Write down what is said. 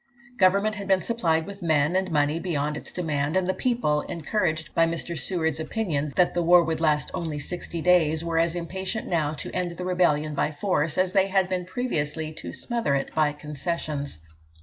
Government had been supplied with men and money beyond its demands, and the people, encouraged by Mr. Seward's opinion that the war would last only sixty days, were as impatient now to end the rebellion by force as they had been previously to smother it by concessions.